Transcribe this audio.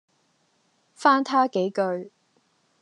翻他幾句，